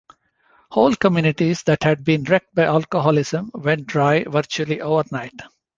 Whole communities that had been wrecked by alcoholism went dry virtually overnight.